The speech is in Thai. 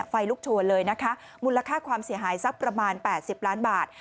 ไฟลุกโชนเลยนะคะมูลค่าความเสียหายสักประมาณ๘๐ล้านบาท